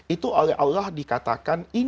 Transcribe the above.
itu oleh allah dikatakan